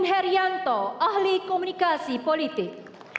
herianto ahli komunikasi politik